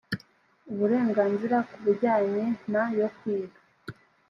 uburenganzira ku bijyanye na yo kwiga